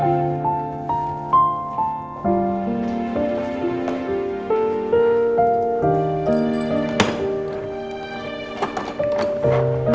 lupa siapa slestra kita